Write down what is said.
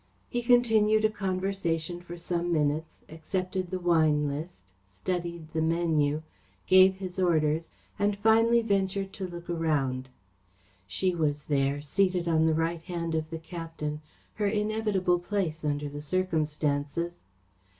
He continued a conversation for some minutes, accepted the wine list, studied the menu, gave his orders, and finally ventured to look around. She was there, seated on the right hand of the captain, her inevitable place under the circumstances.